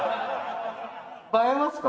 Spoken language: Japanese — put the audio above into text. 映えますか？